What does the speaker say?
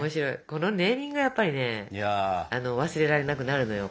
このネーミングがやっぱりね忘れられなくなるのよ。